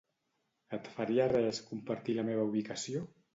Et faria res compartir la meva ubicació?